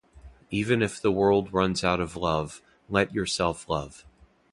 Even if the world runs out of love, let yourself love.